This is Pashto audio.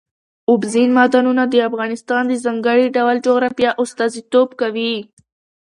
اوبزین معدنونه د افغانستان د ځانګړي ډول جغرافیه استازیتوب کوي.